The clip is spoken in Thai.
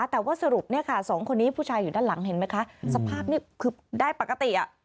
แต่ว่าสรุปเนี่ยค่ะสองคนนี้ผู้ชายอยู่ด้านหลังเห็นไหมคะสภาพนี่คือได้ปกติอ่ะ